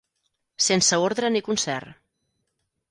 Sense ordre ni concert.